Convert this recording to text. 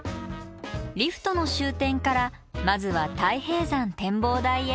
リフトの終点からまずは大平山展望台へ。